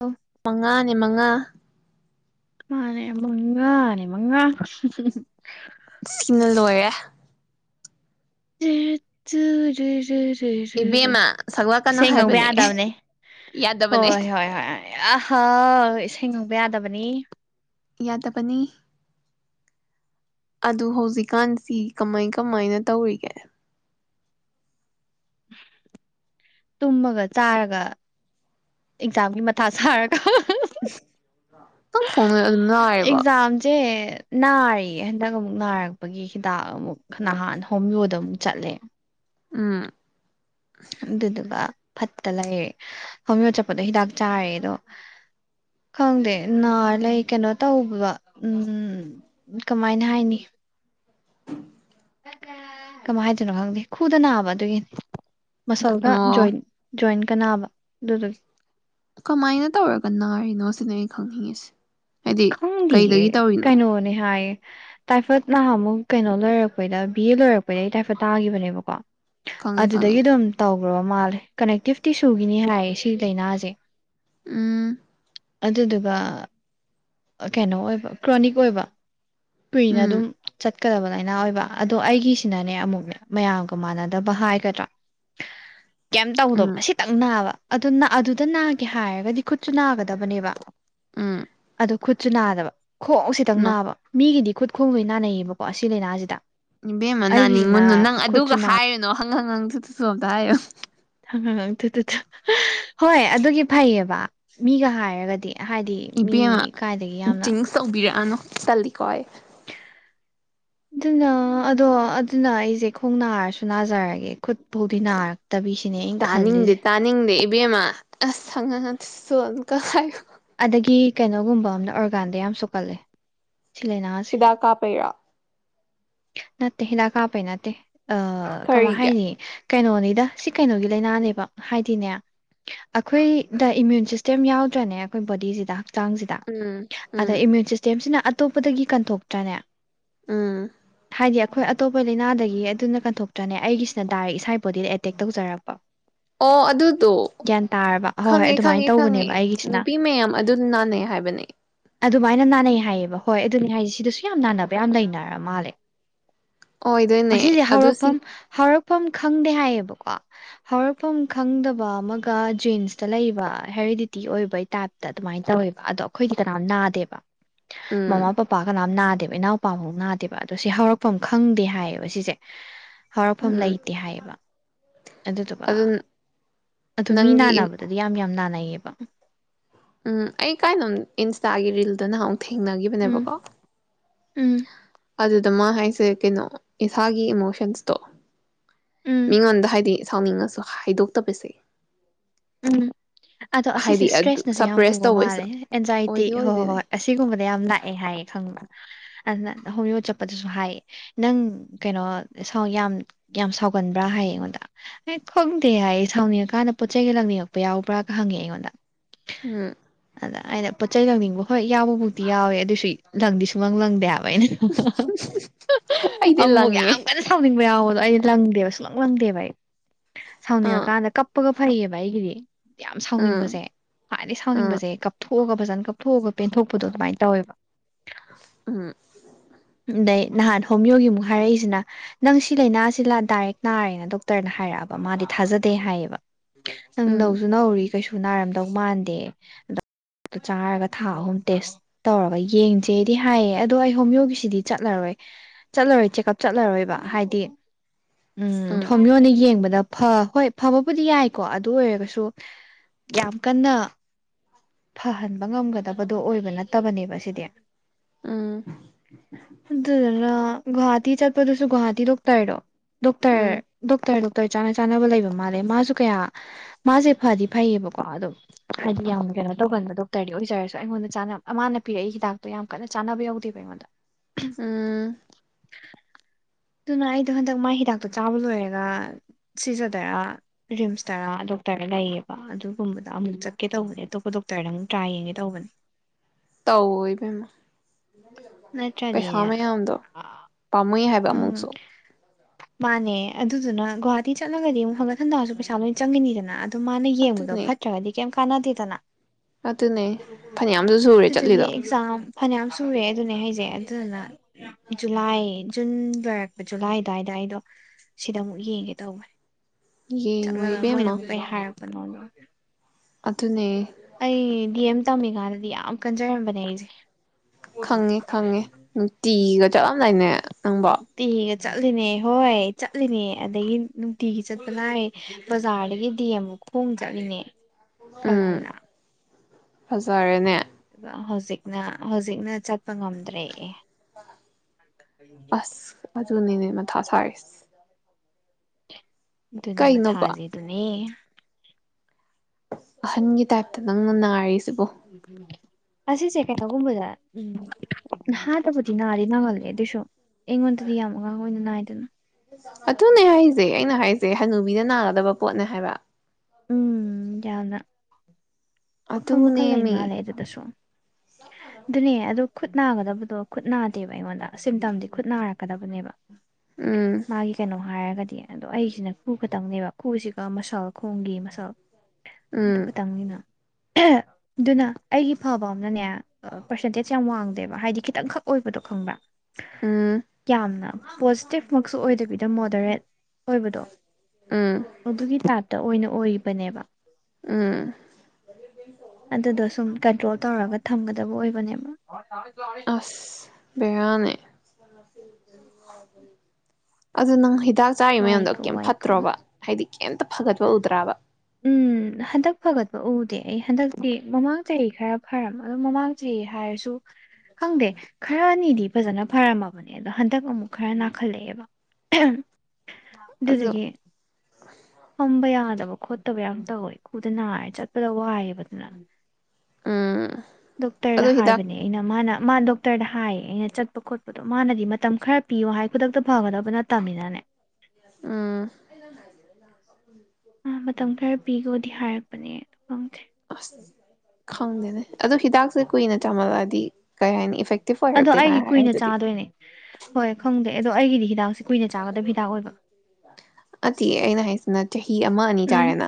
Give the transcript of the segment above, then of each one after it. ꯑꯣ ꯃꯉꯥꯅꯦ ꯃꯉꯥ ꯃꯥꯅꯦ ꯃꯪꯉꯥꯅꯦ ꯃꯪꯉꯥ ꯁꯤꯅ ꯂꯣꯏꯔꯦ [unintelligible] [unintelligible] ꯏꯕꯦꯝꯃ ꯁꯛꯂꯛꯀꯅꯣ ꯏꯁꯩ ꯉꯪꯕ ꯍꯥꯏꯕꯅꯦ ꯌꯥꯗꯕꯅꯦ ꯌꯥꯗꯕꯅꯦ ꯍꯣꯏ ꯍꯣꯏ ꯍꯣꯏ ꯑꯍ ꯏꯁꯩ ꯉꯪꯕ ꯌꯥꯗ ꯌꯗꯕꯅꯤ ꯌꯥꯗꯕꯅꯤ ꯑꯗꯨ ꯍꯧꯖꯤꯛꯀꯥꯟꯁꯤ ꯀꯃꯥꯏ ꯀꯃꯥꯏꯅ ꯇꯧꯔꯤꯒꯦ ꯇꯨꯝꯃꯒ ꯆꯥꯔꯒ ꯑꯦꯛꯖꯥꯝꯒꯤ ꯃꯊꯥ ꯁꯥꯔꯒ ꯅꯪ ꯈꯣꯡꯅ ꯑꯗꯨꯝ ꯅꯥꯔꯤꯕꯣ ꯑꯦꯛꯖꯥꯝꯁꯦ ꯅꯥꯔꯤꯌꯦ ꯍꯟꯗꯛ ꯑꯃꯨꯛ ꯅꯥꯔꯛꯄꯒꯤ ꯍꯤꯗꯥꯛ ꯑꯃꯨꯛ ꯅꯍꯥꯟ ꯍꯣꯃꯤꯌꯣꯗ ꯑꯃꯨꯛ ꯆꯠꯂꯦ ꯎꯝ ꯑꯗꯨꯗꯨꯒ ꯐꯠꯇ ꯂꯩꯔꯦ ꯍꯣꯃꯤꯌꯣ ꯆꯠꯄꯗꯣ ꯍꯤꯗꯥꯛ ꯆꯥꯔꯦ ꯑꯗꯣ ꯈꯪꯗꯦ ꯅꯥ ꯂꯩ ꯀꯩꯅꯣ ꯇꯧꯕ ꯎꯝ ꯀꯃꯥꯏꯅ ꯍꯥꯏꯅꯤ ꯀꯃꯥꯏ ꯍꯥꯏꯗꯣꯏꯅꯣ ꯈꯪꯗꯦ ꯈꯨꯗ ꯅꯥꯕ ꯑꯗꯨꯒꯤꯅꯤ ꯃꯁꯜꯒ ꯑꯣ ꯖꯣꯏꯟ ꯖꯣꯏꯟ ꯀꯅꯥꯕ ꯗꯨꯗꯨ ꯀꯃꯥꯏꯅ ꯇꯧꯔꯒ ꯅꯥꯔꯤꯅꯣ ꯁꯤꯅ ꯑꯩ ꯈꯪꯅꯤꯡꯉꯤꯁꯦ ꯍꯥꯏꯗꯤ ꯈꯪꯗꯤꯌꯦ ꯀꯩꯗꯒꯤ ꯇꯧꯔꯤꯅꯣ ꯀꯩꯅꯣꯅꯦ ꯍꯥꯏ ꯇꯥꯏꯐꯠ ꯅꯍꯥꯟꯃꯨꯛ ꯀꯩꯅꯣ ꯂꯣꯏꯔꯛꯄꯩꯗ ꯕꯤ ꯑꯦ ꯂꯣꯏꯔꯛꯄꯩꯗ ꯑꯩ ꯇꯥꯏꯐꯠ ꯇꯥꯒꯤꯕꯅꯦꯕꯀꯣ ꯈꯪꯉꯦ ꯈꯪꯉꯦ ꯑꯗꯨꯗꯒꯤ ꯑꯗꯨꯝ ꯇꯧ ꯔ ꯃꯥꯜꯂꯦ ꯀꯅꯦꯛꯇꯤꯚ ꯇꯤꯁꯨꯒꯤꯅꯦ ꯍꯥꯏꯌꯦ ꯁꯤ ꯂꯥꯏꯅꯥꯁꯦ ꯎꯝ ꯑꯗꯨꯗꯨꯒ ꯀꯩꯅꯣ ꯑꯣꯏꯕ ꯀ꯭ꯔꯣꯅꯤꯛ ꯑꯣꯏꯕ ꯀꯨꯏꯅ ꯎꯝ ꯑꯗꯨꯝ ꯆꯠ ꯆꯠꯀꯗꯕ ꯂꯥꯏꯅꯥ ꯑꯣꯏꯕ ꯑꯗꯣ ꯑꯩꯒꯤꯁꯤꯅꯅꯦ ꯑꯃꯨꯛꯅꯦ ꯃꯌꯥꯝꯒ ꯃꯥꯟꯅꯗꯕ ꯍꯥꯏꯒꯗ꯭ꯔꯥ ꯀꯩꯝ ꯇꯧꯗꯕ ꯎꯝ ꯑꯁꯤꯇꯪ ꯅꯥꯕ ꯑꯗꯨ ꯑꯗꯨꯗ ꯅꯥꯒꯦ ꯍꯥꯏꯔꯒꯗꯤ ꯈꯨꯠꯁꯨ ꯅꯥꯒꯗꯕꯅꯦꯕ ꯎꯝ ꯑꯗꯣ ꯈꯨꯠꯁꯨ ꯅꯥꯗꯕ ꯈꯣꯛꯎ ꯈꯤꯇꯪ ꯃꯥ ꯅꯥꯕ ꯃꯤꯒꯤꯗꯤ ꯈꯨꯠꯈꯣꯡ ꯂꯅꯥꯟꯅꯩꯌꯦꯕꯀꯣ ꯑꯁꯤ ꯂꯥꯏꯅꯥꯁꯤꯗ ꯏꯕꯦꯝꯃꯅꯥ ꯑꯩꯒꯤꯁꯤꯅ ꯅꯤꯡꯉꯨꯟꯅꯨ ꯅꯪ ꯑꯗꯨꯒ ꯈꯨꯠꯁꯨ ꯅꯥ ꯍꯥꯏꯔꯤꯨꯅꯣ ꯑꯪ ꯍꯪꯉꯪꯁꯨꯗꯁꯨ ꯑꯝꯇ ꯍꯥꯏꯌꯨ ꯨ ꯇꯨ ꯍꯣꯏ ꯑꯗꯨꯒꯤ ꯐꯩꯌꯦꯕ ꯃꯤꯒ ꯍꯥꯏꯔꯒꯗꯤ ꯍꯥꯏꯗꯤ ꯏꯕꯦꯝꯃ ꯃꯤ ꯀꯥꯏꯗꯒꯤ ꯌꯥꯝꯅ ꯆꯤꯡꯁ ꯇꯧꯕꯤꯔꯛꯑꯅꯣ ꯆꯜꯂꯤꯀꯣꯏ ꯑꯗꯨꯅ ꯑꯗꯣ ꯑꯗꯨꯅ ꯑꯩꯁꯦ ꯈꯣꯡ ꯅꯥꯔꯁꯨ ꯅꯥꯖꯔꯒꯦ ꯈꯨꯠ ꯐꯥꯎꯗꯤ ꯅꯥꯔꯛ ꯇꯥꯅꯤꯡꯗꯦ ꯇꯥꯅꯤꯡꯗꯦ ꯏꯕꯦꯝꯃ ꯑꯪ ꯉꯅ ꯁꯣꯗ ꯀꯥꯏ ꯑꯗꯒꯤ ꯀꯩꯅꯣꯒꯨꯝꯕ ꯑꯃꯅ ꯑꯣꯔꯒꯥꯟꯗ ꯌꯥꯝ ꯁꯣꯛꯀꯜꯂꯦ ꯁꯤ ꯍꯤꯗꯥꯛ ꯀꯥꯄꯩꯔꯥ ꯅꯇꯩ ꯍꯗ ꯀꯥꯄꯦꯅꯥ ꯑ ꯀꯃꯥꯏ ꯀꯔꯤꯒꯤ ꯍꯥꯏꯅꯤ ꯀꯩꯅꯣꯅꯤꯗ ꯁꯤ ꯀꯩꯅꯣꯒꯤ ꯂꯥꯏꯅꯥꯅꯦꯕ ꯍꯥꯏꯗꯤꯅꯦ ꯑꯩꯈꯣꯏꯗ ꯏꯃ꯭ꯌꯨꯟ ꯁꯤꯁꯇꯦꯝ ꯌꯥꯎꯗ꯭ꯔꯅꯦ ꯑꯩꯈꯣꯏ ꯕꯣꯗꯤꯁꯤꯗ ꯍꯛꯆꯥꯡꯁꯤꯗ ꯎꯝ ꯑꯗ ꯎꯝ ꯏꯃ꯭ꯌꯨꯟ ꯁꯤꯁꯇꯦꯝꯁꯤꯅ ꯑꯇꯣꯞꯄꯗꯒꯤ ꯀꯟꯊꯣꯛꯇ꯭ꯔꯅꯦ ꯎꯝ ꯍꯥꯏꯗꯤ ꯑꯩꯈꯣꯏ ꯑꯇꯣꯞꯄ ꯂꯩꯥꯏꯅꯥꯗꯒꯤ ꯑꯗꯨꯅ ꯀꯟꯊꯣꯛꯇ꯭ꯔꯅꯦ ꯑꯩꯒꯤꯁꯤꯅ ꯗꯥꯏꯔꯦꯛ ꯏꯁꯥꯥꯏ ꯕꯣꯗꯤꯗ ꯑꯦꯇꯦꯛ ꯇꯧꯖꯔꯛꯄ ꯑꯣ ꯑꯗꯨꯗꯣ ꯒ꯭ꯌꯥꯟ ꯇꯥꯔꯕ ꯍꯣꯏ ꯍꯣꯏ ꯈꯪꯉꯦ ꯑꯗꯨꯃꯥꯏꯅ ꯈꯪꯉꯦ ꯈꯪꯉꯦ ꯇꯧꯕꯅꯦꯕ ꯑꯩꯒꯤꯁꯤꯅ ꯅꯨꯄꯤ ꯃꯌꯥꯝ ꯑꯗꯨ ꯅꯥꯟꯅꯩ ꯍꯥꯏꯕꯅꯦ ꯑꯗꯨꯃꯥꯏꯅ ꯅꯥꯅꯩ ꯍꯥꯏꯌꯦꯕ ꯍꯣꯏ ꯑꯗꯨꯅꯤ ꯍꯥꯏꯁꯦ ꯁꯤꯗꯁꯨ ꯌꯥꯝ ꯅꯥꯟꯅꯕ ꯌꯥꯝ ꯂꯩꯅꯔ ꯃꯥꯜꯁꯦ ꯍ ꯑꯣꯏꯗꯣꯏꯅꯦ ꯑꯁꯤꯁꯦ ꯑꯗꯨ ꯁꯤ ꯍꯧꯔꯛꯐꯝ ꯍꯧꯔꯛ ꯍꯧꯔꯛꯐꯝ ꯈꯪꯗꯦ ꯍꯥꯏꯌꯦꯕꯀꯣ ꯍꯧꯔꯛꯐꯝ ꯈꯪꯗꯕ ꯑꯃꯒ ꯖꯤꯟꯁꯇ ꯂꯩꯕ ꯍꯦꯔꯤꯗꯤꯇꯤ ꯑꯣꯏꯕꯩ ꯇꯥꯏꯞꯇ ꯑꯗꯨꯃꯥꯏꯅ ꯇꯧꯋꯦꯕ ꯑꯗꯣ ꯑꯩꯈꯣꯏꯗꯤ ꯀꯅꯥꯝ ꯅꯥꯗꯦꯕ ꯃꯃꯥ ꯎꯝ ꯄꯥꯄꯥ ꯀꯅꯥꯝ ꯅꯅꯥꯗꯕ ꯏꯅꯥꯎ ꯄꯥ ꯐꯥꯎ ꯅꯥꯗꯦꯕ ꯑꯗꯣ ꯁꯤ ꯍꯧꯔꯛꯐꯝ ꯈꯪꯗꯦ ꯍꯥꯏꯌꯦꯕ ꯁꯤꯁꯦ ꯍꯧꯔꯛꯐꯝ ꯎꯝ ꯂꯩꯇꯦ ꯍꯥꯏꯌꯦꯕ ꯑꯗꯨꯗꯨꯒ ꯑꯗꯨ ꯑꯗꯨ ꯃꯤ ꯅꯪꯒꯤ ꯅꯥꯟꯅꯕꯗꯗꯤ ꯌꯥꯝ ꯌꯥꯝ ꯅꯥꯟꯅꯩꯌꯦꯕ [unintelligible] ꯎꯝ ꯑꯩ ꯀꯥꯏꯅꯣ ꯏꯟꯁꯇꯥꯒꯤ ꯔꯤꯜꯗꯣꯅ ꯍꯧ ꯎꯝ ꯊꯦꯡꯅꯈꯤꯕꯅꯦꯕꯀꯣ ꯎꯝ ꯑꯗꯨꯗ ꯃꯥ ꯍꯥꯏꯁꯦ ꯀꯩꯅꯣ ꯏꯁꯥꯒꯤ ꯏꯃꯣꯁꯟꯁꯇꯣ ꯎꯝ ꯃꯤꯉꯣꯟꯗ ꯍꯥꯏꯗꯤ ꯁꯥꯎꯅꯤꯡꯉꯁꯨ ꯍꯥꯏꯗꯣꯛꯇꯕꯁꯦ ꯎꯝ ꯑꯗꯣ ꯑꯁꯤꯁꯦ ꯍꯥꯏꯗꯤ ꯑꯗꯨ ꯏꯁꯇ꯭ꯔꯦꯁꯅꯁꯨ ꯌꯥꯝ ꯁꯄ꯭ꯔꯦꯁ ꯄꯨꯕ ꯇꯧꯕꯩꯁꯨ ꯃꯥꯜꯂꯦ ꯑꯦꯟꯖꯥꯏꯇꯤ ꯑꯣꯏꯗꯤ ꯍꯣꯏ ꯍꯣꯏ ꯑꯣꯏꯗꯣꯏꯅꯦ ꯍꯣꯏ ꯑꯁꯤꯒꯨꯝꯕꯗ ꯌꯥꯝ ꯂꯥꯛꯑꯦ ꯍꯥꯏꯌꯦ ꯈꯪꯕꯔꯥ ꯑꯗꯨꯅ ꯍꯣꯃꯤꯌꯣ ꯆꯠꯄꯗꯁꯨ ꯍꯥꯏꯌꯦ ꯅꯪ ꯀꯩꯅꯣ ꯁꯥꯎꯗ ꯌꯥꯝ ꯁꯥꯎꯒꯟꯕ꯭ꯔꯥ ꯍꯥꯏꯌꯦ ꯑꯩꯉꯣꯟꯗ ꯑꯩ ꯈꯪꯗꯦ ꯍꯥꯏꯌꯦ ꯁꯥꯎꯅꯤꯡꯉꯀꯥꯟꯗ ꯆꯩ ꯒ ꯂꯪꯅꯤꯡꯉꯛꯄꯔꯥ ꯌꯥꯎꯕ꯭ꯔꯥꯒ ꯍꯪꯉꯦ ꯑꯩꯉꯣꯟꯗ ꯎꯝ ꯑꯗ ꯑꯩꯅ ꯄꯣꯠ ꯆꯩ ꯂꯪꯅꯤꯡꯕ ꯍꯣꯏ ꯌꯥꯎꯕꯕꯨꯨꯛꯇꯤ ꯌꯥꯎꯋꯦ ꯑꯗꯨꯏꯁꯨ ꯂꯪꯗꯤ ꯁꯨꯡꯂꯪ ꯂꯪꯗꯦꯕ [unintelligible] ꯑꯩꯗꯤ ꯑꯃꯃꯨꯛ ꯌꯥꯝ ꯂꯪꯉꯦ ꯀꯟꯅ ꯁꯥꯎꯅꯤꯡꯕ ꯌꯥꯎꯋ ꯑꯩ ꯂꯪꯗꯦꯕ ꯁꯨꯡꯂꯪ ꯂꯪꯗꯦꯕ ꯑꯩ ꯑꯥ ꯁꯥꯎꯅꯤꯡꯉꯀꯥꯟꯗ ꯀꯞꯄꯒ ꯐꯩꯌꯦꯕ ꯑꯩꯒꯤꯗꯤ ꯌꯥꯝ ꯎꯝ ꯁꯥꯎꯅꯤꯡꯕꯁꯦ ꯈꯋ꯭ꯥꯏꯗꯩꯩ ꯑꯥ ꯁꯥꯎꯅꯤꯡꯕꯁꯦ ꯀꯞꯊꯣꯛ ꯊꯣꯛꯑꯒ ꯐꯖꯅ ꯀꯞꯊꯣꯛꯑꯒ ꯄꯦꯟꯊꯣꯛꯄꯗꯣ ꯑꯗꯨꯃꯥꯏꯅ ꯇꯧꯋꯦꯕ ꯎꯝ ꯑꯗꯩ ꯅꯍꯥꯟ ꯍꯣꯃꯤꯌꯣꯒꯤ ꯑꯃꯨꯛ ꯍꯥꯏꯔꯛꯏꯁꯤꯅ ꯅꯪ ꯁꯤ ꯂꯥꯏꯅꯥꯁꯤ ꯂ ꯗꯥꯏꯔꯦꯛ ꯅꯥꯔꯦꯅ ꯗꯣꯛꯇꯔꯅ ꯍꯥꯏꯔꯛꯑꯕ ꯃꯥꯗꯤ ꯊꯥꯖꯗꯦ ꯍꯥꯏꯌꯦꯕ ꯅꯪ ꯎꯝ ꯅꯧꯁꯨ ꯅꯧꯔꯤ ꯀꯩꯁꯨ ꯅꯥꯔꯝꯗꯧ ꯃꯥꯟꯗꯦ ꯑꯗ ꯆꯥꯔꯒ ꯊꯥ ꯑꯍꯨꯝ ꯇꯦꯁ ꯇꯧꯔꯒ ꯌꯦꯡꯖꯦꯗꯤ ꯍꯥꯏꯌꯦ ꯑꯗꯣ ꯑꯩ ꯍꯣꯃꯤꯌꯣꯒꯤꯁꯤꯗꯤ ꯆꯠꯂꯔꯣꯏ ꯆꯠꯂꯔꯣꯏ ꯆꯦꯛꯑꯞ ꯆꯠꯂꯔꯣꯏꯕ ꯍꯥꯏꯗꯤ ꯎꯝ ꯍꯣꯃꯤꯌꯣꯅ ꯌꯦꯡꯕ ꯐ ꯍꯣꯏ ꯐꯕꯕꯨꯗꯤ ꯌꯥꯏ ꯀꯣ ꯑꯗꯨ ꯑꯣꯏꯔꯒꯁꯨ ꯌꯥꯝ ꯀꯟꯅ ꯐꯍꯟꯕ ꯉꯝꯒꯗꯕꯗꯣ ꯑꯣꯏꯕ ꯅꯠꯇꯕꯅꯦꯕ ꯁꯤꯗꯤ ꯎꯝ ꯑꯗꯨꯗꯨꯅ ꯒꯨꯋꯥꯍꯥꯇꯤ ꯆꯠꯄꯗꯨꯁꯨ ꯒꯨꯍꯥꯇꯤ ꯗꯣꯛꯇꯔ ꯗꯣ ꯗꯣꯛꯇꯔ ꯎꯝ ꯗꯣꯛꯇꯔ ꯗꯣ ꯇꯣꯏ ꯆꯥꯅ ꯆꯥꯅꯕ ꯂꯩꯕ ꯃꯥꯜꯂꯦ ꯃꯥꯁꯨ ꯀꯌꯥ ꯃꯥꯁꯦ ꯐꯗꯤ ꯐꯩꯌꯦꯕꯀꯣ ꯑꯗꯨꯣ ꯍꯥꯏꯗꯤ ꯌꯥꯝ ꯀꯩꯅꯣ ꯇꯧꯒꯟꯕ ꯗꯣꯛꯇꯔꯗꯤ ꯑꯣꯏꯖꯔꯁꯨ ꯑꯩꯉꯣꯟꯗ ꯆꯥꯅꯕ ꯃꯥꯅ ꯄꯤꯔꯛꯏ ꯍꯤꯗꯥꯛꯇꯣ ꯌꯥꯝ ꯀꯟꯅ ꯆꯥꯅꯕ ꯌꯧꯗꯦꯕ ꯑꯩꯉꯣꯟꯗ [inaudible] ꯎꯝ ꯑꯗꯨꯅ ꯑꯩꯗꯣ ꯍꯟꯗꯛ ꯃꯥꯏ ꯍꯤꯗꯥꯛꯇꯣ ꯆꯥꯕ ꯂꯣꯏꯔꯒ ꯁꯤꯖꯗꯔꯥ ꯔꯤꯝꯁꯇꯔꯥ ꯗꯣꯛꯇꯔ ꯂꯩꯌꯦꯕ ꯑꯗꯨꯒꯨꯝꯕꯗ ꯑꯃꯨꯛ ꯆꯠꯀꯦ ꯇꯧꯕꯅꯦ ꯑꯇꯣꯞꯄ ꯗꯣꯛꯇꯔꯗ ꯑꯃꯨꯛ ꯇ꯭ꯔꯥꯏ ꯌꯦꯡꯒꯦ ꯇꯧꯕꯅꯦ ꯇꯧꯏ ꯏꯕꯦꯝꯃ ꯄꯩꯁꯥ ꯅꯠꯇ꯭ꯔꯗꯤꯅꯦ ꯃꯌꯥꯝꯗꯣ ꯄꯥꯝꯃꯨꯏ ꯃꯤ ꯍꯥꯏꯕ ꯎꯝ ꯑꯃꯨꯛꯁꯨ ꯃꯥꯅꯦ ꯑꯗꯨꯗꯨꯅ ꯒꯨꯍꯥꯇꯤ ꯆꯠꯂꯒꯗꯤ ꯑꯃꯨꯛ ꯍꯟꯒꯠ ꯊꯟꯗꯥꯁꯨ ꯄꯩꯁꯥ ꯂꯣꯏꯅ ꯆꯪꯒꯅꯤꯗꯅ ꯑꯗꯨꯝ ꯃꯥꯅ ꯌꯦꯡꯕꯗꯣ ꯑꯗꯨꯅꯦ ꯐꯠꯇ꯭ꯔꯒꯗꯤ ꯀꯩꯝ ꯀꯅꯥꯗꯦꯗꯅ ꯑꯗꯨꯅꯦ ꯐꯅꯌꯥꯝꯁꯨ ꯁꯨꯔꯦ ꯑꯗꯨꯗꯨꯒꯤ ꯆꯠꯂꯤꯗꯣ ꯑꯦꯛꯖꯥꯝ ꯐꯅꯌꯥꯝ ꯁꯨꯔꯦ ꯑꯗꯨꯅꯦ ꯍꯥꯏꯁꯦ ꯑꯗꯨꯗꯨꯅ ꯖꯨꯂꯥꯏ ꯖꯨꯟ ꯂꯣꯏꯔꯛꯄ ꯖꯨꯂꯥꯏ ꯑ ꯑꯗꯨꯋꯥꯏꯗ ꯑꯩꯗꯣ ꯁꯤꯗ ꯑꯃꯨꯛ ꯌꯦꯡꯒꯦ ꯇꯧꯕꯅꯦ ꯌꯦꯡꯑꯣ ꯏꯕꯦꯝꯃ ꯁ [unintelligible] ꯑꯗꯨꯅꯦ ꯑꯩ ꯗꯤꯑ ꯦꯝ ꯇꯝꯃꯤꯀꯥꯟꯗꯗꯤ ꯌꯥꯝ ꯀꯟꯖꯔꯝꯕꯅꯦ ꯑꯩꯖꯦ ꯈꯪꯉꯦ ꯈꯪꯉꯦ ꯅꯨꯡꯇꯤꯒꯤꯒ ꯆꯠꯂꯝꯗꯥꯏꯅꯦ ꯅꯪꯕꯣ ꯅꯨꯡꯇꯤꯒ ꯆꯠꯂꯤꯅꯦ ꯍꯣꯏ ꯆꯠꯂꯤꯅꯦ ꯑꯗꯒꯤ ꯅꯨꯡꯇꯤꯒꯤ ꯆꯠꯄ ꯂꯥꯏꯔꯤ ꯕꯖꯥꯔꯗꯒꯤ ꯗꯤ ꯑꯦꯝ ꯕꯧ ꯈꯣꯡꯅ ꯆꯠꯂꯤꯅꯦ ꯎꯝ ꯈꯜꯗꯨꯂꯅ ꯐꯖꯔꯦꯅꯦ ꯑ ꯍꯧꯖꯤꯛꯅ ꯍꯧꯖꯤꯛꯅ ꯆꯠꯄ ꯉꯝꯗ꯭ꯔꯦ ꯑꯦ ꯀ [unintelligible] ꯑꯁ ꯑꯗꯨꯅꯤꯅꯦ ꯃꯊꯥ ꯁꯥꯔꯤꯁ ꯑꯗꯨꯅꯦ ꯃꯊꯥꯖꯦ ꯑꯗꯨꯅꯦ ꯑꯍꯟꯒꯤ ꯇꯥꯏꯞꯇ ꯅꯪꯅ ꯅꯥꯔꯤꯁꯤꯕꯣ ꯑꯁꯤꯁꯦ ꯀꯩꯅꯣ ꯒꯨꯝꯕꯗ ꯎꯝ ꯅꯍꯥꯥ ꯗꯕꯨꯗꯤꯤ ꯅꯔꯤ ꯅꯒꯜꯅꯤ ꯑꯗꯨꯏꯁꯨ ꯑꯩꯉꯣꯟꯗꯗꯤ ꯌꯥꯝ ꯑꯉꯥꯡ ꯑꯣꯏꯅ ꯅꯥꯏꯗꯅ ꯑꯗꯨꯅꯦ ꯍꯥꯏꯖꯦ ꯑꯩꯅ ꯍꯥꯏꯁꯦ ꯁꯦ ꯍꯅꯨꯕꯤꯅ ꯅꯥꯒꯗꯕ ꯄꯣꯠꯅꯦ ꯍꯥꯏꯕ ꯎꯝ ꯌꯥꯝꯅ ꯃꯈꯜ ꯃꯈꯜ ꯂꯩ ꯃꯥꯜꯂꯦ ꯑꯗꯨꯅꯦꯃꯤ ꯑꯗꯨꯗꯁꯨ ꯑꯗꯨꯅꯦ ꯑꯗꯨ ꯈꯨꯠ ꯅꯥꯒꯗꯕꯗꯣ ꯈꯨꯠ ꯅꯥ ꯅꯠꯇꯦꯕ ꯑꯩꯉꯣꯟꯗ ꯁꯤꯝꯇꯝꯗꯤ ꯈꯨꯠ ꯅꯥꯔꯛ ꯂꯥꯛꯀꯗꯕꯅꯦꯕ ꯎꯝ ꯃꯥꯒꯤ ꯀꯩꯅꯣ ꯍꯥꯏꯔꯒꯗꯤ ꯑꯗꯣ ꯑꯩꯁꯤꯅ ꯈꯨ ꯈꯠꯇꯪꯅꯦꯕ ꯈꯨꯁꯤꯒ ꯃꯁꯜ ꯀꯣ ꯈꯣꯡꯒꯤ ꯃꯁꯜ ꯑꯗꯨꯒ ꯎꯝ ꯇꯪꯅꯤꯅ ꯑꯗꯨꯅ ꯑꯩꯒꯤ ꯐꯕ ꯑꯃꯅꯅꯦ ꯄꯔꯁꯦꯟꯇꯦꯖ ꯌꯥꯝ ꯋꯥꯡꯗꯦꯕ ꯍꯥꯏꯗꯤ ꯈꯤꯇꯪꯈꯛ ꯑꯣꯏꯕꯗꯣ ꯈꯪꯕ꯭ꯔꯥ ꯎꯝ ꯀꯌꯥꯝꯅ ꯄꯣꯖꯤꯇꯤꯚꯃꯨꯛꯁꯨ ꯑꯣꯏꯗꯕꯤꯗ ꯃꯣꯗꯔꯦꯠ ꯑꯣꯏꯕꯗꯣ ꯎꯝ ꯑꯗꯨꯒꯤ ꯇꯥꯏꯞ ꯑꯣꯏꯅ ꯑꯣꯏꯔꯤꯕꯅꯦꯕ ꯎꯝ ꯑꯗꯨꯗꯁꯨꯝ ꯀ꯭ꯔꯣꯜ ꯇꯧꯔꯒ ꯊꯝꯒꯗꯕ ꯑꯣꯏꯕꯅꯦꯕ ꯑꯁ ꯕꯦꯔꯅꯦ [unintelligible] ꯎꯝ ꯑꯗꯨꯗ ꯅꯪ ꯍꯥꯏ ꯍꯤꯗꯥꯛ ꯆꯥꯔꯤꯕ ꯃꯌꯥꯝꯗꫭ ꯀꯩꯝ ꯋꯥꯏꯀꯣ ꯐꯠꯇ꯭ꯔꯣꯕ ꯍꯥꯏꯗꯤ ꯀꯌꯤꯝꯇ ꯐꯒꯠꯄ ꯎꯗ꯭ꯔꯥꯕ ꯎꯝ ꯍꯟꯗꯛ ꯐꯒꯠꯄ ꯎꯗꯦ ꯑꯩ ꯍꯟꯗꯛꯇꯤ ꯃꯃꯥꯡ ꯆꯍꯤ ꯈꯔ ꯐꯔꯝꯃ ꯑꯗꯣ ꯃꯃꯥꯡ ꯆꯍꯤ ꯍꯥꯏꯔꯁꯨ ꯈꯪꯗꯦ ꯈꯔ ꯑꯅꯤꯗꯤ ꯐꯖꯅ ꯐꯔꯝꯃꯕꯅꯦ ꯑꯗꯣ ꯍꯟꯗꯛ ꯑꯃꯨꯛ ꯈꯔ ꯅꯥꯈꯠꯂꯛꯑꯦꯕ ꯑꯗꯨ ꯑꯗꯨꯗꯨꯒꯤ ꯐꯝꯕ ꯌꯥꯗꯕ ꯈꯣꯠꯇꯕ ꯌꯥꯝ ꯇꯧꯋꯦ ꯈꯨꯨꯗ ꯅꯥꯔꯦ ꯆꯠꯄꯗ ꯋꯥꯏꯑꯦꯕ ꯑꯗꯨꯅ ꯎꯝ ꯗꯣꯛꯇꯔꯗ ꯑꯗꯨ ꯍꯤꯗꯥꯛ ꯍꯥꯏꯕꯅꯦ ꯑꯩꯅ ꯃꯥꯅ ꯃꯥ ꯗꯣꯛꯇꯔꯗ ꯍꯥꯏꯌꯦ ꯑꯩꯅ ꯆꯠꯄ ꯈꯣꯠꯄꯗꯣ ꯃꯥꯅꯗꯤ ꯃꯇꯝ ꯈꯔ ꯄꯤꯌꯣ ꯍꯥꯏ ꯈꯨꯗꯛꯇ ꯐꯒꯗꯕꯅ ꯇꯝꯃꯤꯅꯅꯦ ꯎꯝ ꯑ ꯃꯇꯝ ꯈꯔ ꯄꯤꯈꯣꯗꯤ ꯍꯥꯏꯔꯛꯄꯅꯦ ꯈꯪꯦ ꯑꯁ ꯈꯪꯗꯦꯅꯦ ꯑꯗꯣ ꯍꯤꯗꯥꯛꯁꯦ ꯀꯨꯏꯅ ꯆꯥꯃꯜꯂꯗꯤ ꯑꯗꯣ ꯑꯩꯒꯤ ꯀꯨꯏꯅ ꯆꯥꯗꯣꯏꯅꯦ ꯍꯣꯏ ꯈꯪꯗꯦ ꯑꯗꯣ ꯑꯩꯒꯤꯗꯤ ꯍꯤꯗꯥꯛꯁꯦ ꯀꯨꯏꯅ ꯆꯥꯒꯗꯕ ꯍꯤꯗꯥꯛ ꯑꯣꯏꯕ ꯑꯁꯤ ꯑꯩꯅ ꯍꯥꯏꯁꯤꯅ ꯆꯍꯤ ꯑꯃ ꯑꯅꯤ ꯎꯝ ꯆꯥꯔꯦꯅ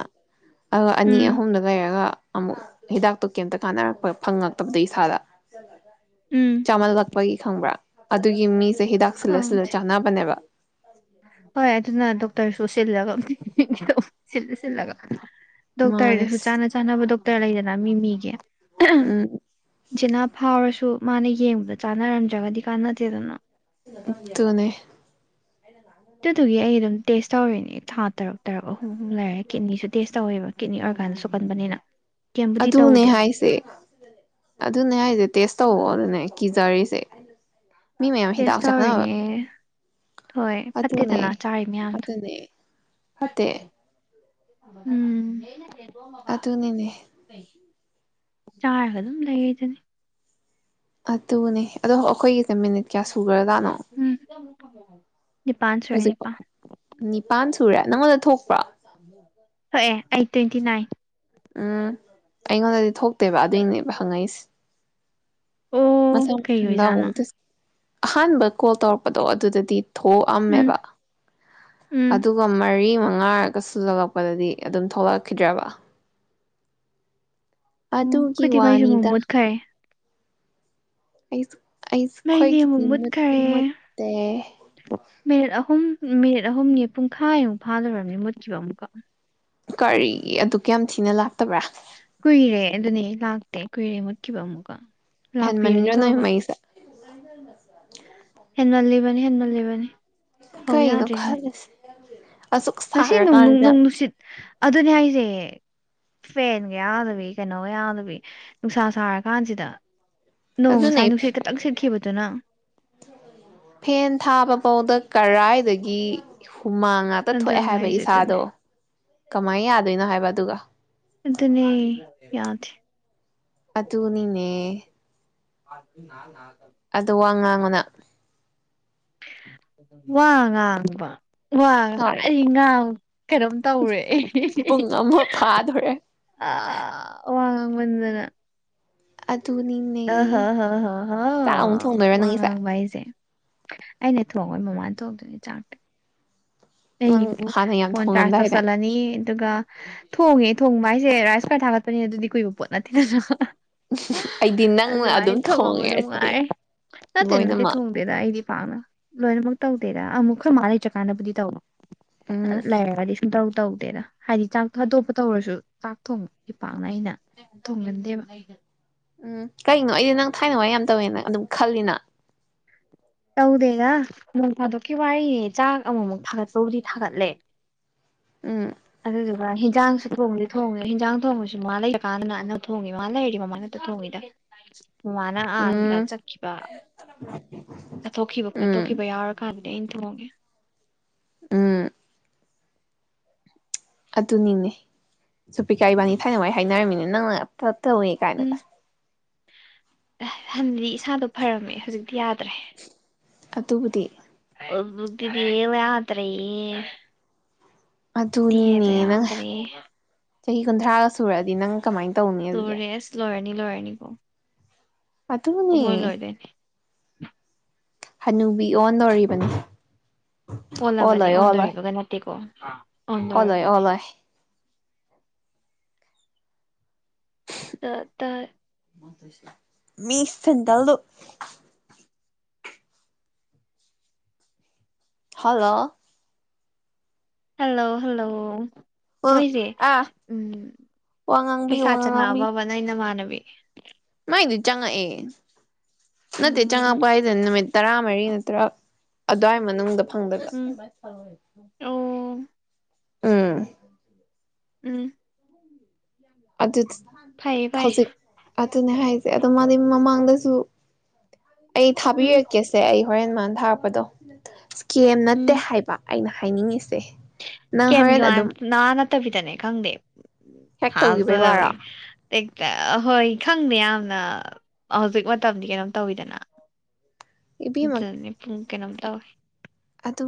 ꯑꯗꯨꯒ ꯑꯅꯤ ꯎꯝ ꯑꯍꯨꯝꯗ ꯂꯩꯔꯒ ꯑꯃꯨꯛ ꯍꯤꯗꯥꯛꯇꯨ ꯀꯩꯝꯇ ꯀꯥꯟꯅꯔꯛꯄ ꯐꯪꯉꯛꯇꯕꯗ ꯏꯁꯥꯗ ꯎꯝ ꯆꯃꯜ ꯂꯥꯛ ꯑꯩꯈꯣꯏꯒꯤ ꯈꯪꯕ꯭ꯔꯥ ꯑꯗꯨꯒꯤ ꯃꯤ ꯦ ꯍꯤꯗꯥꯛ ꯁꯤꯜꯂ ꯁꯤꯜꯂ ꯈꯪꯗꯦ ꯆꯥꯅꯕꯅꯦꯕ ꯍꯣꯏ ꯑꯠꯇꯅ ꯑꯗꯨ ꯇꯔꯁꯨ ꯁꯤꯜꯂꯒꯗ ꯁꯤꯜꯂ ꯁꯤꯜꯂꯒ ꯗꯣꯛꯇꯔ ꯃꯥꯅꯦ ꯍꯥꯏꯗꯔꯁꯨ ꯆꯅ ꯆꯥꯅꯕ ꯠꯇ ꯂꯩꯗꯅ ꯃꯤ ꯃꯤꯒ ꯎꯝ ꯖꯤꯦꯅꯥ ꯐꯥꯎꯔꯁꯨ ꯃꯥꯅ ꯌꯦꯡꯕꯗ ꯆꯥꯅꯔꯝꯗ꯭ꯔꯒꯗꯤ ꯀꯥꯟꯅꯗꯦꯗꯅ ꯇꯣꯅꯦ ꯑꯗꯨ ꯊꯒꯔꯝ ꯇꯦꯁ ꯇꯧꯔꯦꯅꯦ ꯊꯥ ꯇꯔꯨꯛ ꯇꯔꯛ ꯑꯍꯨꯝ ꯑꯨꯝ ꯂꯩꯔꯦꯤꯅꯤꯁꯨ ꯇꯦꯁ ꯇꯧꯋꯦꯕ ꯀꯤꯠꯅꯤ ꯀꯥꯟꯅ ꯁꯣꯛꯀꯟꯕꯅꯤꯅ ꯀꯦꯝꯕꯨꯗꯤ ꯑꯗꯨꯅꯦ ꯇꯧꯗꯦ ꯍꯥꯏꯁꯦ ꯑꯗꯨꯅꯦ ꯍꯥꯏꯁꯦ ꯇꯦꯁ ꯇꯧꯑꯣ ꯑꯗꯨꯅꯦ ꯀꯤꯖꯔꯤꯁꯦ ꯃꯤ ꯃꯌꯥꯝ ꯍꯤꯗꯥꯛ ꯇꯦꯁ ꯆꯅꯕ ꯇꯧꯔꯤꯅꯦ ꯍꯣꯏ ꯐꯠꯇꯦꯗꯅ ꯆꯥꯔꯤ ꯃꯌꯥꯝꯗ ꯑꯗꯨꯅꯦ ꯐꯠꯇꯦ ꯎꯝ ꯑꯗꯨꯅꯤꯅꯦ ꯆꯥꯔꯒ ꯑꯗꯨꯝ ꯂꯩꯔꯗꯨꯅꯤ ꯑꯗꯨꯅꯦ ꯑꯗꯣ ꯑꯩꯈꯣꯏꯒꯤ ꯃꯤꯅꯤꯠ ꯀꯌꯥ ꯁꯨꯒꯔꯖꯅꯣ ꯎꯝ [inaudible] ꯁꯨꯔꯦ ꯍꯧꯖꯤꯛꯄꯣꯛ ꯅꯤꯄꯥꯟ ꯅꯤꯄꯥꯟ ꯁꯨꯔꯦ ꯅꯪꯉꯣꯟꯗ ꯊꯣꯛ ꯍꯣꯛ ꯑꯦ ꯑꯩ ꯇ꯭ꯋꯦꯟꯇꯤ ꯅꯥꯏꯟ ꯎꯝ ꯑꯩꯉꯣꯟꯗꯗꯤ ꯊꯣꯛꯇꯦꯕ ꯑꯗꯨꯏꯅꯦꯕ ꯍꯪꯉꯛꯏꯁꯦ ꯑꯣ ꯃꯁ ꯀꯩ ꯆꯗ ꯑꯣꯏꯖꯥꯠꯅꯣ ꯑꯃꯗ ꯑꯍꯥꯟꯕ ꯀꯣꯜ ꯇꯧꯔꯛꯄꯗꯣ ꯑꯗꯨꯗꯗꯤ ꯎꯝ ꯊꯣꯛꯑꯝꯃꯦꯕ ꯎꯝ ꯑꯗꯨꯒ ꯃꯔꯤ ꯉꯥꯏꯔꯒ ꯁꯨꯖꯜꯂꯛꯄꯗꯗꯤ ꯑꯗꯨꯝ ꯊꯣꯛꯂꯛꯈꯤꯗ꯭ꯔꯕ ꯎꯝ ꯑꯗꯨꯒꯤ ꯑꯩꯈꯣꯏꯗꯤ ꯃꯩꯁꯨ ꯑꯃꯨꯛ ꯋꯥꯅꯤꯗ ꯃꯨꯠꯈ꯭ꯔꯦ ꯑꯩꯁ ꯃꯩꯗꯤ ꯑꯃꯨꯛ ꯃꯨꯠꯈ꯭ꯔꯦ ꯃꯨꯠꯇꯦ ꯃꯤꯅꯤꯠ ꯑꯍꯨꯝ ꯃꯤꯅꯤꯠ ꯑꯍꯨꯝꯅꯤ ꯄꯨꯡꯈꯥꯏꯃꯨꯛ ꯐꯥꯗꯨꯔꯕꯅꯤ ꯃꯨꯠꯈꯤꯕ ꯑꯃꯨꯛꯀ ꯀꯔꯤ ꯑꯗꯨꯛ ꯀꯌꯥꯝ ꯊꯤꯅ ꯂꯥꯛꯇꯕ꯭ꯔꯥ ꯀꯨꯏꯔꯦ ꯑꯗꯨꯅꯤ ꯂꯥꯛꯇꯦ ꯀꯨꯏꯔꯦ ꯃꯨꯠꯈꯤꯕ ꯑꯃꯨꯛꯀ ꯂꯥꯛꯄꯤꯔꯗꯤ ꯍꯟꯃꯟꯒ꯭ꯔꯦ ꯅꯣꯏ ꯐꯕ ꯃꯩꯁꯦ [inaudible] ꯍꯦꯟꯃꯜ ꯂ ꯂꯤꯕꯥꯅꯤ ꯍꯦꯟꯃꯜ ꯂꯩꯕꯥꯅꯤ ꯀꯩꯅ ꯈꯔꯁꯤ ꯉꯁꯤ ꯅ ꯅꯣꯡ ꯅꯨꯡꯁꯤꯠ ꯑꯗꯨꯅꯦ ꯍꯥꯏꯁꯦ ꯐꯦꯟꯒ ꯌꯥꯎꯗꯕꯤ ꯀꯩꯅꯣꯒ ꯌꯥꯎꯗꯕꯤ ꯅꯨꯡꯁꯥ ꯁꯥꯔ ꯀꯥꯟꯁꯤꯗ ꯅꯣꯡ ꯑꯗꯨꯅꯦ ꯉꯁꯥꯏ ꯅꯨꯡꯁꯤꯠ ꯈꯈꯤꯛꯇꯪ ꯁꯤꯠꯈꯤꯕ [inaudible] ꯐꯦꯟ ꯊꯥꯕ ꯐꯥꯎꯗ ꯀꯔꯥꯏꯗꯒꯤ ꯍꯨ ꯍꯨꯃꯥꯡ ꯉꯥꯛꯇ ꯊꯣꯛꯑꯦ ꯑꯗꯨꯅꯦ ꯍꯥꯏꯕ ꯍꯥꯏꯁꯦ ꯑꯗꯨꯅꯦ ꯏꯁꯥꯗꯣ ꯀꯃꯥꯏꯅ ꯌꯥꯗꯣꯏꯅꯣ ꯍꯥꯏꯕ ꯑꯗꯨꯒ ꯑꯗꯨꯅꯦ ꯌꯥꯗꯦ ꯑꯗꯨꯅꯤ ꯅꯦ [unintelligible] ꯑꯗꯨ ꯋꯥ ꯉꯥꯡꯉꯨꯅ ꯋꯥ ꯉꯥꯡꯕ ꯋꯥ ꯍꯣꯏ ꯉꯁꯥꯏꯗꯩ ꯉꯥꯡ ꯀꯩꯅꯣꯝ ꯇꯧꯔꯦ ꯑꯍꯤ ꯍꯤ ꯍꯤ ꯄꯨꯡ ꯑꯃ ꯐꯥꯗꯣꯔꯦ ꯑ ꯋꯥ ꯉꯥꯡꯃꯟꯗꯅ ꯑ ꯍ ꯑꯗꯨꯅꯤꯅꯦ ꯍ ꯍ ꯍ ꯆꯥꯛ ꯑꯃꯨꯛ ꯊꯣꯡꯗꯣꯏꯔꯣ ꯋꯥ ꯅꯪꯒꯤꯁꯦ ꯉꯥꯡꯕ ꯍꯥꯏꯁꯦ ꯑꯩꯅ ꯊꫭꯡꯉꯣꯏ ꯃꯃꯥꯅ ꯊꫭꯡꯗꯨꯅꯤ ꯆꯥꯛꯇꯤ ꯑꯩꯒꯤ ꯅꯪ ꯑꯕꯨ ꯍꯥꯟꯅ ꯌꯥꯝ ꯐꯣꯟ ꯆꯥꯔꯖ ꯊꯣꯡꯉꯝꯗꯥꯏꯅꯦ ꯇꯧꯁꯜꯂꯅꯤ ꯑꯗꯨꯒ ꯊꯣꯡꯉꯦ ꯊꯣꯡꯕ ꯍꯥꯏꯁꯦ ꯔꯥꯏꯁ ꯀꯨꯀꯔꯔ ꯊꯥꯒꯠꯄꯅꯦ ꯑꯗꯨꯗꯤ ꯀꯨꯏꯕ ꯄꯣꯠ ꯅꯠꯇꯦꯗꯅ ꯍ ꯑꯩꯗꯤ ꯑ ꯅꯪꯅ ꯑꯗꯨꯃꯥꯏꯅ ꯑꯗꯨꯝ ꯊꯣꯡꯉꯝꯕꯗꫭ ꯊꯣꯡꯉꯦ ꯑꯁꯤꯗꯤ ꯅꯨꯡꯉꯥꯏ ꯅꯠꯇꯦ ꯅꯠꯇꯦ ꯂꯣꯏꯅꯃꯛ ꯊꯣꯡꯗꯦꯗ ꯑꯩꯗꯤ ꯄꯥꯛꯅ ꯂꯣꯏꯅꯃꯛ ꯇꯧꯗꯦꯗ ꯑ ꯑꯃꯨꯛ ꯑꯈꫭꯏꯃꯥ ꯂꯩꯇ꯭ꯔ ꯀꯥꯟꯅꯕꯨꯗꯤ ꯇꯧ ꯑꯗ ꯎꯝ ꯂꯩꯔꯒꯗꯤ ꯁꯨꯡꯇꯧ ꯇꯧ ꯇꯦꯗ ꯍꯥꯏꯗꯤ ꯆꯥꯛ ꯍꯥꯇꯣꯛꯞꯄ ꯇꯧꯔꯁꯨ ꯆꯥꯛ ꯊꯣꯡꯕꯗꯤ ꯄꯥꯛꯅ ꯑꯩꯅ ꯊꯣꯡꯒꯟꯗꯦꯕ ꯎꯝ ꯀꯩꯅꯣ ꯑꯩꯗꯤ ꯅꯪ ꯊꯥꯏꯅ ꯋꯥꯏ ꯌꯥꯝ ꯇꯧꯋꯦꯅ ꯑꯗꯨꯝ ꯈꯜꯂꯤꯅ ꯇꯧꯗꯦꯗ ꯅꯣꯡ ꯐꯥꯗꯣꯛꯀꯤ ꯋꯥꯔꯤꯅꯤ ꯆꯥꯛ ꯑꯃꯨꯛ ꯃꯨꯛ ꯊꯥꯒꯠꯄꯕꯨꯗꯤ ꯊꯥꯒꯠꯂꯦ ꯎꯝ ꯑꯗꯨꯗꯨꯒ ꯍꯤꯟꯖꯥꯡꯁꯨ ꯊꯣꯡꯗꯤ ꯊꯣꯡꯉꯦ ꯍꯤꯟꯖꯥꯡ ꯊꯣꯡꯕꯁꯨ ꯃꯥ ꯂꯩꯇ ꯀꯥꯟꯗꯅ ꯑꯅꯝ ꯊꯣꯡꯉꯦ ꯃꯥ ꯂꯩꯔꯗꯤ ꯃꯃꯥꯡꯅ ꯍꯦꯛꯇ ꯊꯣꯡꯉꯤꯗ ꯃꯃꯥꯅ ꯑꯥ ꯑꯣꯝꯗ ꯎꯝ ꯆꯠꯈꯤꯕ ꯆꯠꯊꯣꯛꯈꯤꯕ ꯈꯣꯠꯇꯣꯛꯈꯤꯕ ꯎꯝ ꯌꯥꯎꯔꯀꯥꯟ ꯑꯩꯅ ꯊꯣꯡꯉꯦ ꯎꯝ ꯑꯗꯨꯅꯤꯅꯦ ꯁꯨꯄꯤꯀꯥ ꯏꯕꯥꯅꯤ ꯊꯥꯏꯅ ꯋꯥꯏ ꯍꯥꯏꯅꯔꯝꯃꯤꯅꯦ ꯅꯪꯅ ꯄꯠ ꯇꯧꯋꯦ ꯀꯥꯏꯅ ꯀ ꯑꯍ ꯍꯟꯗꯤ ꯏꯁꯥꯗꯣ ꯐꯔꯝꯃꯦ ꯍꯧꯖꯤꯛ ꯌꯥꯗ꯭ꯔꯦ ꯑꯗꯨꯕꯨꯗꯤ ꯑꯧꯖꯤꯀꯤꯗꯤ ꯑꯦꯜ ꯌꯥꯗ꯭ꯔꯦ ꯗꯤꯍꯦꯗꯣ ꯑꯗꯨꯅꯤꯅꯦ ꯅꯪ ꯌꯥꯎꯗ꯭ꯔꯦ ꯆꯍꯤ ꯀꯨꯟꯊ꯭ꯔꯥꯒ ꯁꯨꯔꯛꯑꯗꯤ ꯅꯪ ꯀꯃꯥꯏꯅ ꯇꯧꯅꯤ ꯑꯗꯨꯗꯤ ꯅꯤ ꯂꫭꯏꯔꯅꯤꯀꯣ ꯑꯗꯨꯅꯦ [inaudible] ꯍꯅꯨꯕꯤ ꯑꯣꯟꯗꯧꯔꯤꯕꯅꯦ ꯑꯣꯜꯂꯕꯅꯤ ꯑꯣꯟꯗꯣꯔꯤꯕꯒ ꯅꯠꯇꯦꯀꯣ ꯑꯣꯜꯂꯣꯏ ꯑꯣꯟꯗꯣꯔꯤꯕꯅꯤ ꯑꯣꯜꯂꯣꯏ ꯇ -ꯇ ꯃꯤ ꯁꯦꯟꯗꯜꯗꯣ ꯍꯜꯂꯣ ꯍꯜꯂꯣ- ꯍꯜꯂꯣ ꯑ ꯃꯣꯏꯖꯦ ꯑꯥ ꯎꯝ ꯋꯥ ꯉꯥꯡꯕꯤꯌꯨ ꯄꯩꯁꯥ ꯋꯥ ꯉꯥꯡꯕꯤꯌꯨ ꯆꯪꯉꯛꯑꯕꯕ ꯅꯣꯏ ꯅꯃꯥꯟꯅꯕ [inaudible] ꯑꯩꯗꯤ ꯆꯪꯉꯛꯑꯦ ꯅꯠꯇꯦ ꯎꯝ ꯆꯉꯛꯄ ꯍꯥꯏꯖ ꯅꯨꯃꯤꯠ ꯇꯔꯥꯃꯔꯤ ꯅꯠꯇ꯭ꯔ ꯑꯗꯨꯋꯥꯏ ꯃꯅꯨꯡꯗ ꯐꯪꯗꯣꯕ ꯎꯝ ꯑꯣ ꯎꯝ ꯎꯝ ꯑꯗꯨ ꯐꯩꯌꯦ ꯐꯩꯌꯦ ꯍꯧꯖꯤꯛ ꯑꯗꯨꯅꯦ ꯍꯥꯏꯖꯦ ꯑꯗꯣ ꯃꯥꯗꯤ ꯃꯃꯥꯡꯗꯁꯨ ꯑꯩ ꯎꯝ ꯊꯥꯕꯤꯔꯛꯀꯦꯁꯦ ꯑꯩ ꯍꯣꯔꯦꯟ ꯃꯥꯟ ꯊꯥꯔꯛꯄꯗꯣ ꯀꯦꯝ ꯅꯠꯇꯦ ꯍꯥꯏꯕ ꯑꯩꯅ ꯍꯥꯏꯅꯤꯡꯉꯤꯁꯦ ꯅꯪ ꯀꯦꯝꯒꯤ ꯍꯣꯔꯦꯟ ꯋꯥ ꯑꯗꯨꯝ ꯅꯥ ꯅꯠꯇꯕꯤꯗꯅꯦ ꯈꯪꯗꯦ ꯍꯦꯛ ꯇꯧꯒꯤꯕꯩ ꯋꯥꯔꯣ ꯑꯍꯣꯏ ꯈꯪꯗꯦ ꯌꯥꯝꯅ ꯍꯧꯖꯤꯛ ꯃꯇꯝꯗꯤ ꯀꯩꯅꯣꯝ ꯇꯧꯋꯤꯗꯅ ꯆꯅꯤ ꯄꯨꯡ ꯑꯩꯅꯣꯝꯇꯧꯏ ꯑꯗꯨ